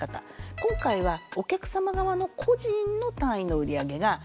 今回はお客様側の個人の単位の売り上げがどうなのか。